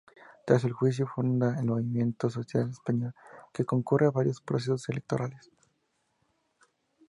Tras el juicio, funda el Movimiento Social Español que concurre a varios procesos electorales.